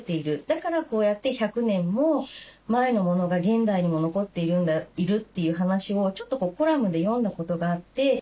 だからこうやって１００年も前のものが現代にも残っているという話をちょっとコラムで読んだことがあって。